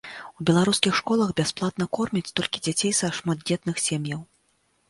У беларускіх школах бясплатна кормяць толькі дзяцей са шматдзетных сем'яў.